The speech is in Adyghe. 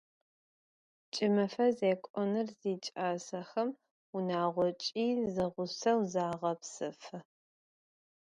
Ç'ımefe zêk'onır ziç'asexem vunağoç'i zeğuseu zağepsefı.